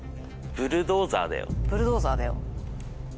ブルドーザーだよ。